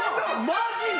マジで？